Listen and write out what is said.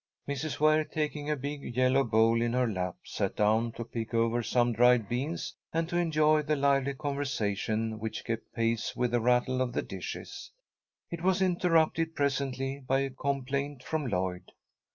Mrs. Ware, taking a big yellow bowl in her lap, sat down to pick over some dried beans, and to enjoy the lively conversation which kept pace with the rattle of the dishes. It was interrupted presently by a complaint from Lloyd.